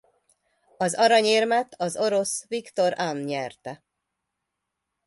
Az aranyérmet az orosz Viktor An nyerte.